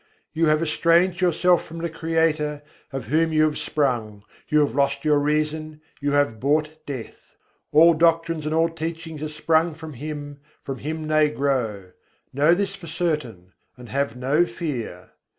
You have estranged yourself from the Creator, of whom you have sprung: you have lost your reason, you have bought death. All doctrines and all teachings are sprung from Him, from Him they grow: know this for certain, and have no fear.